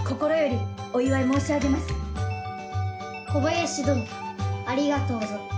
小林どのありがとうぞ。